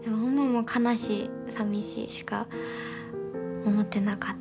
もう悲しいさみしいしか思ってなかったですね。